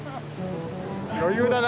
余裕だな。